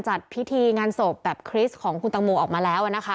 จัดพิธีงานศพแบบคริสต์ของคุณตังโมออกมาแล้วนะคะ